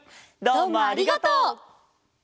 どうもありがとう！